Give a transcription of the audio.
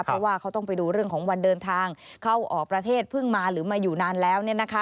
เพราะว่าเขาต้องไปดูเรื่องของวันเดินทางเข้าออกประเทศเพิ่งมาหรือมาอยู่นานแล้ว